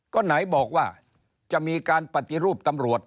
ก็ไหนบอกว่าจะมีการปฏิรูปตำรวจ